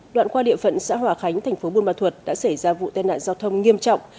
đoạn qua địa phận xã hòa khánh thành phố buôn ma thuật đã xảy ra vụ tai nạn giao thông nghiêm trọng